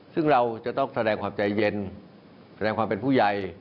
ซึ่งเราจะต้องแสดงความใจเย็นแสดงความเป็นผู้ใหญ่